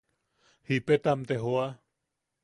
Jipetam te joa.